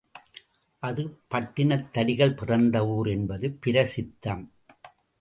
அது பட்டினத்தடிகளின் பிறந்த ஊர் என்பது பிரசித்தம்.